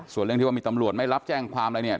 ส่วนเรื่องที่ว่ามีตำรวจไม่รับแจ้งความอะไรเนี่ย